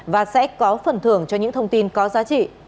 và sẽ có phần thưởng cho những thông tin có giá trị